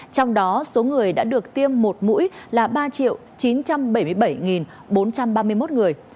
trong đó số người đã được tiêm một mũi là ba chín trăm bảy mươi bảy bốn trăm ba mươi một người